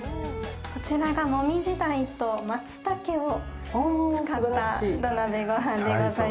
こちらが紅葉鯛と松茸を使った土鍋ごはんでございます。